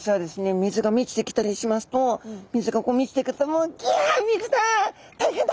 水が満ちてきたりしますと水がこう満ちてくると「ギャ水だ！